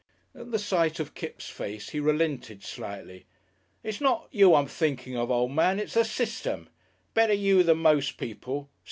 At the sight of Kipps' face he relented slightly. "It's not you I'm thinking of, o' man; it's the system. Better you than most people.